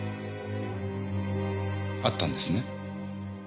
あったんですね？